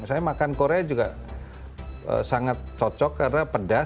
saya makan korea juga sangat cocok karena pedas